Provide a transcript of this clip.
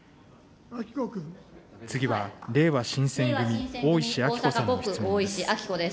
次は、れいわ新選組、大石あきこさんの質問です。